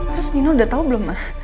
terus nino udah tahu belum